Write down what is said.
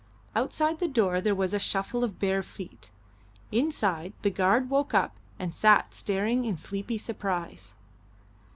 Outside the door there was a shuffle of bare feet; inside, the guard woke up and sat staring in sleepy surprise.